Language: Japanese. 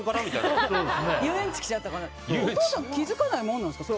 お父さん気づかないもんなんですかね。